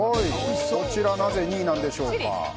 こちらなぜ２位なんでしょうか。